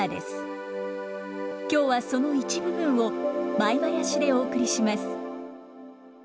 今日はその一部分を舞囃子でお送りします。